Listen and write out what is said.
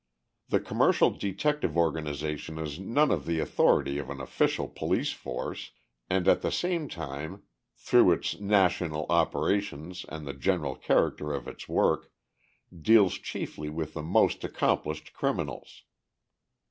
The commercial detective organization has none of the authority of an official police force, and at the same time, through its national operations and the general character of its work, deals chiefly with the most accomplished criminals.